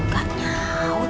kamu di dapur